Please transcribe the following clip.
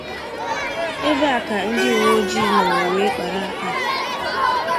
ebe aka ndị uwe ojii nọrọ wee kpàra ha.